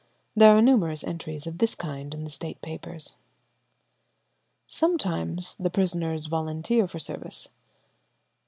There are numerous entries of this kind in the State Papers. Sometimes the prisoners volunteer for service.